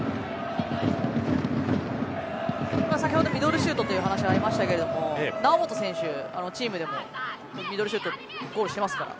先ほどミドルシュートという話もありましたが猶本選手、チームでもミドルシュートゴールしていますから。